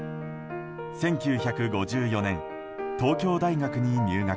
１９５４年、東京大学に入学。